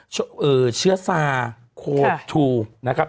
ชั้นเชื้อซาโคทูลนะครับ